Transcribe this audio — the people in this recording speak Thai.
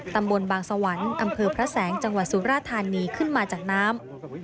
ตำบลบางสวรรค์อำเภอพระแสงจังหวัดสุราธานีขึ้นมาจากน้ำ